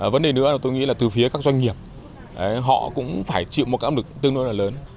vấn đề nữa tôi nghĩ là từ phía các doanh nghiệp họ cũng phải chịu một áp lực tương đối là lớn